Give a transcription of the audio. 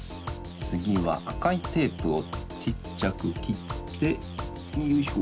つぎはあかいテープをちっちゃくきってよいしょ。